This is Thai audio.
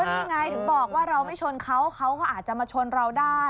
นี่ไงถึงบอกว่าเราไม่ชนเขาเขาก็อาจจะมาชนเราได้